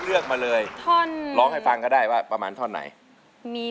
คือแผ่นที่๓เหลือแผ่นที่๑๒๔๕๖